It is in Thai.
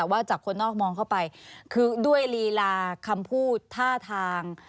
ว่าจากคนนอกมองเข้าไปคือด้วยลีลาคำพูดท่าทาง